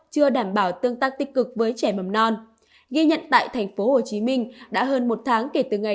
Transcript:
chưa đảm bảo tương tác tích cực với trẻ mầm non ghi nhận tại tp hcm đã hơn một tháng kể từ ngày